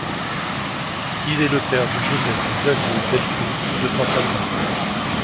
Il est le père de Joseph-Xavier Delfau de Pontalba.